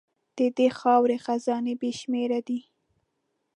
د دې خاورې خزانې بې شمېره دي.